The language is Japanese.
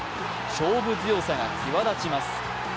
勝負強さが際立ちます。